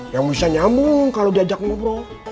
gak bisa nyambung kalau diajak ngobrol